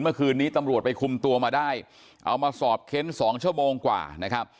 เมื่อคืนนี้ตำรวจไปคุมตัวมาได้เอามาสอบเค้นสองชั่วโมงกว่านะครับ